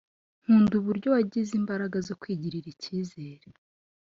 nkunda uburyo wagize imbaraga zo kwigirira ikizere